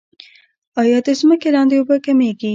آیا د ځمکې لاندې اوبه کمیږي؟